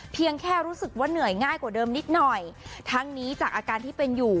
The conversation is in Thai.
เพียงแค่รู้สึกว่าเหนื่อยง่ายกว่าเดิมนิดหน่อยทั้งนี้จากอาการที่เป็นอยู่